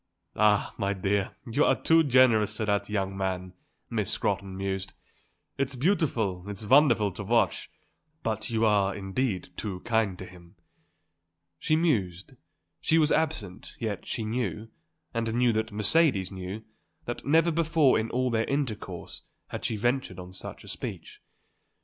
"Ah, my dear, you are too generous to that young man," Miss Scrotton mused. "It's beautiful, it's wonderful to watch; but you are, indeed, too kind to him." She mused, she was absent, yet she knew, and knew that Mercedes knew, that never before in all their intercourse had she ventured on such a speech.